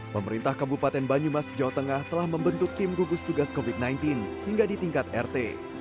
pemerintah kabupaten banyumas jawa tengah telah membentuk tim gugus tugas covid sembilan belas hingga di tingkat rt